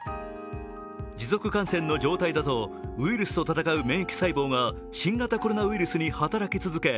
持続感染の状態だとウイルスと戦う免疫細胞が新型コロナウイルスに働き続け